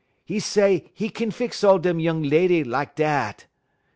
'E say 'e kin fix all dem noung leddy lak dat.